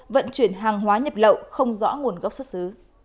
vận chuyển hàng hóa nhập lậu không rõ nguồn gốc xuất xứ